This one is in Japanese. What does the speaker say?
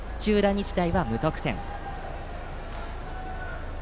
日大は無得点。